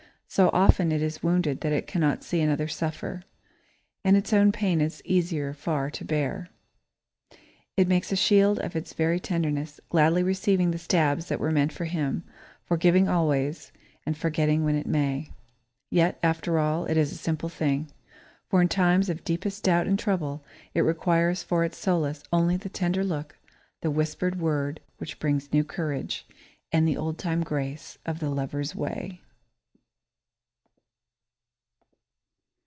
So often is it wounded that it cannot see another suffer, and its own pain is easier far to bear. It makes a shield of its very tenderness, gladly receiving the stabs that were meant for him, forgiving always, and forgetting when it may. [Sidenote: The Solace] Yet, after all, it is a simple thing. For in times of deepest doubt and trouble, it requires for its solace only the tender look, the whispered word which brings new courage, and the old time grace of the lover's way.